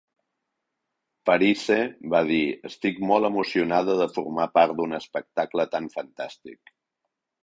Parisse va dir: "Estic molt emocionada de formar part d'un espectacle tan fantàstic".